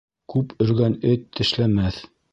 Күп өргән эт тешләмәҫ